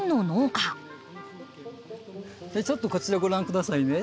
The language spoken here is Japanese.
ちょっとこちらご覧くださいね。